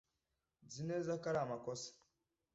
Nzi neza ko ari amakosa.